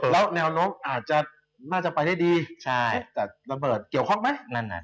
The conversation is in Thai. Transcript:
แล้วแนวลงอาจจะมีที่จะไปได้ดีเกี่ยวข้อมั้ย